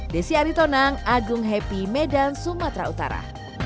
desi aritonang agung happy medan sumatera utara